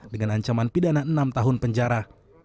dengan ancaman pidana enam tahun penjara